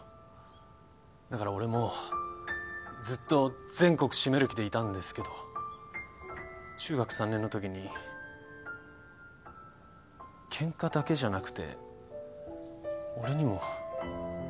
だから俺もずっと全国シメる気でいたんですけど中学３年のときにケンカだけじゃなくて俺にも。